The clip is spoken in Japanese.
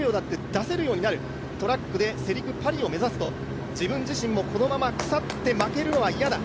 出せるようになる、トラックで世陸パリを目指すと自分自身も、このまま腐って負けるのは嫌だ。